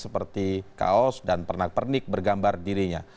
seperti kaos dan pernak pernik bergambar dirinya